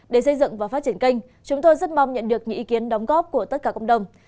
để xây dựng và phát triển kênh chúng tôi rất mong nhận được những ý kiến đóng góp của tất cả cộng đồng